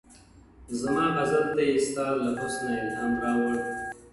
زما غزل تې ستا له حُسنه اِلهام راوړ-